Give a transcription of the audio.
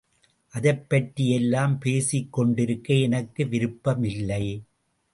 அதைப்பற்றி எல்லாம் பேசிக் கொண்டிருக்க எனக்கு விருப்பம் இல்லை.